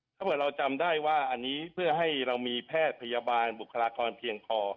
ถ้าเกิดเราจำได้ว่าอันนี้เพื่อให้เรามีแพทย์พยาบาลบุคลากรเพียงพอ